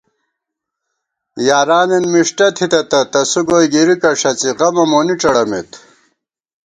یارانېن مِݭٹہ تھِتہ تہ تسُو گوئی گِرِکہ ݭڅی غمہ مونی ڄَڑَمېت